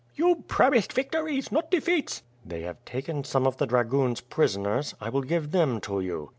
"You promised victories, not defeats." "They have taken some of the dragoons prisoners, I will give them to you."